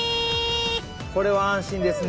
これは安心ですね。